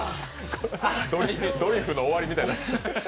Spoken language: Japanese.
ドリフの終わりみたいになってる。